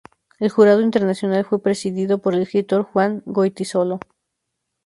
El jurado internacional fue presidido por el escritor Juan Goytisolo.